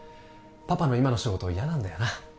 パパの今の仕事嫌なんだよな？